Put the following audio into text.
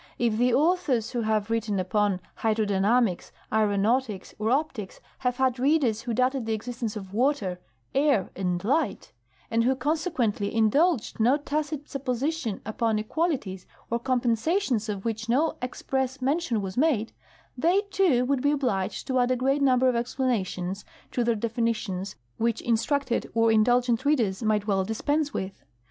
If the authors who have writ ten upon hydrodynamics, aeronautics, or optics had had readers who doubted the existence of water, air, and light, and who consequently indulged no tacit supposition upon equalities or compensations of which no express mention was made, they, too, would be obliged to add a great number of explanations to their definitions which instructed or indulgent readers might well dispense with.